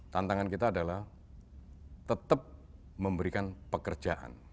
tantangan kita adalah tetap memberikan pekerjaan